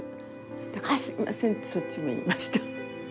だから「あっすいません！」ってそっちも言いました。